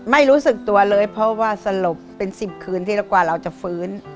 ไม่รู้สึกตัวเลยเพราะว่าสลบเป็น๑๐คืนทีละกว่าเราจะฟื้น